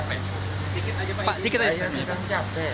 pak sikit aja